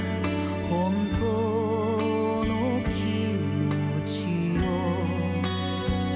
本当の気持ちよ